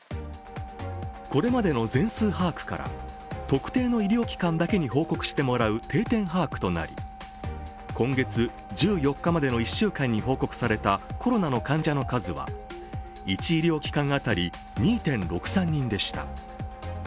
これまでの全数把握から、特定の医療機関だけに報告してもらう定点把握となり今月１４日までの１週間に報告されたコロナの患者の数は１医療機関当たり２．６３人でした。